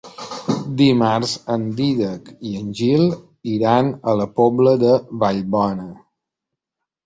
Dimarts en Dídac i en Gil iran a la Pobla de Vallbona.